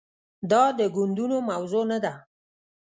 دا د ګوندونو موضوع نه ده.